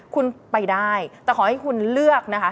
คุณไปได้แต่ขอให้คุณเลือกนะคะ